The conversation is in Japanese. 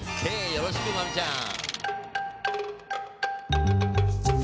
よろしく真海ちゃん！